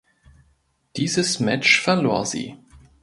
Dieses Match verlor sie.